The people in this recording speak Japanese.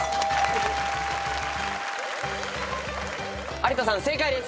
有田さん正解です。